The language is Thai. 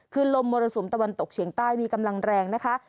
คือลมมรสุมตะวันตกเฉียงใต้มีกำลังแรงนะคะ